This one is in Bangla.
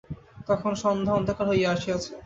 তখন সন্ধ্যা অন্ধকার হইয়া আসিয়াছে।